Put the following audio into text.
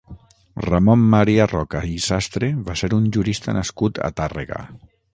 Ramon Maria Roca i Sastre va ser un jurista nascut a Tàrrega.